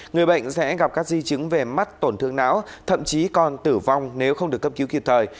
người bệnh sẽ gặp các di chứng về mắt tổn thương não thậm chí còn tử vong nếu không được cấp cứu kịp thời